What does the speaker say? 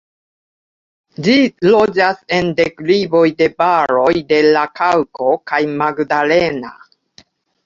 Ĝi loĝas en deklivoj de valoj de la Kaŭko kaj Magdalena.